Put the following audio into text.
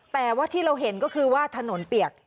แต่ว่าที่เราเห็นก็คือว่าถนนเปียก